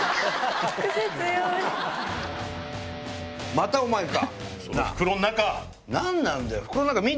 またお前か！